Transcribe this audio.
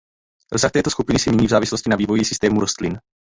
Rozsah této skupiny se mění v závislosti na vývoji systému rostlin.